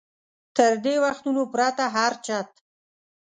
تر دې وختونو پرته هر چت.